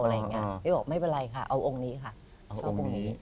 พี่บอกไม่เป็นไรค่ะเอาองค์นี้ค่ะชอบองค์นี้